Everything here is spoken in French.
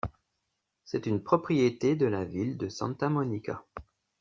C'est une propriété de la ville de Santa Monica.